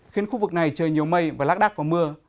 khiến khu vực này trời nhiều mây và lác đắc có mưa